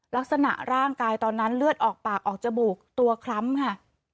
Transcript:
ร่างกายตอนนั้นเลือดออกปากออกจมูกตัวคล้ำค่ะ